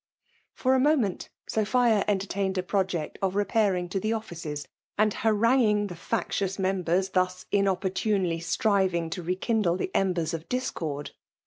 For a nrament Sophia entertained a prcgect of re pairing to the offices and haranguing the fiactioos members thus inopportunely striving to rekindle the embers of discord.